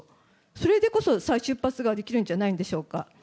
それでこそ再出発ができるんじゃないでしょうか。